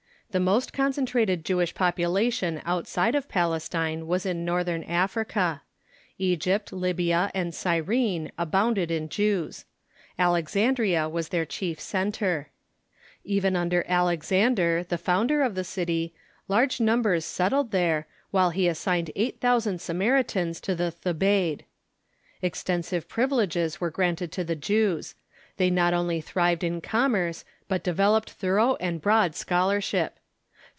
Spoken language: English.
The most concentrated Jewish popula tion outside of Palestine was in northern Africa. Egypt, Ly bia, and Cyrene abounded in Jews. Alexandria Avas their chief centre. Even under Alexander, the founder of the city, large numbers settled there, while he assigned eight thou sand Samaritans to the Thebaid. Extensive privileges were granted the Jews. They not only thrived in commerce, but developed thorough and broad scholarship.